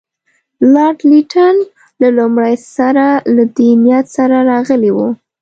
لارډ لیټن له لومړي سره له دې نیت سره راغلی وو.